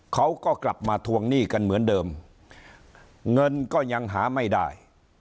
เขาก็กลับมาทวงหนี้กันเหมือนเดิมเงินก็ยังหาไม่ได้